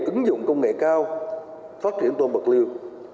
ứng dụng công nghệ cao phát triển tôm bạc liêu